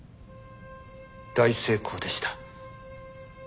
大成功でした。